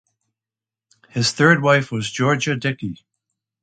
His third wife was Georgia Dickey.